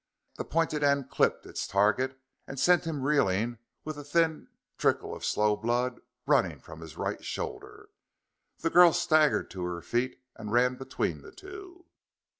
The pointed end clipped its target and sent him reeling, with a thin trickle of slow blood running from his right shoulder. The girl staggered to her feet and ran between the two.